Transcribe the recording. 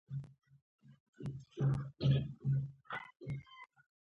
ملا شال اخند نور هم په قهر شو.